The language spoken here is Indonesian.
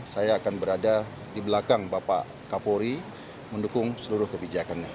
saya akan berada di belakang bapak kapolri mendukung seluruh kebijakannya